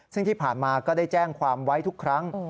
ซึ่งที่ผ่านมาก็ได้แจ้งความไว้ทุกครั้ง